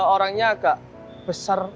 orangnya agak besar